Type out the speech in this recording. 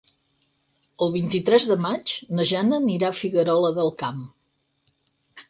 El vint-i-tres de maig na Jana anirà a Figuerola del Camp.